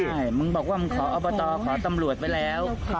ใช่มึงบอกว่ามึงขออบตขอตำรวจไว้แล้ว